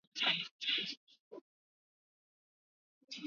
Tawala hizi za waha zilianza miaka mingi kabla ya kuanzishwa kwa tawala za bugufi